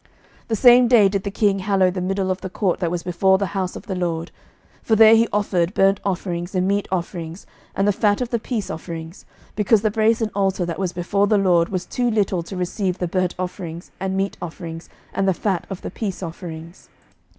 11:008:064 The same day did the king hallow the middle of the court that was before the house of the LORD: for there he offered burnt offerings, and meat offerings, and the fat of the peace offerings: because the brasen altar that was before the LORD was too little to receive the burnt offerings, and meat offerings, and the fat of the peace offerings.